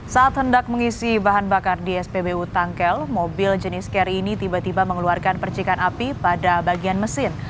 saat hendak mengisi bahan bakar di spbu tangkel mobil jenis care ini tiba tiba mengeluarkan percikan api pada bagian mesin